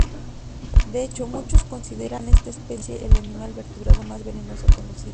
De hecho, muchos consideran esta especie el animal vertebrado más venenoso conocido.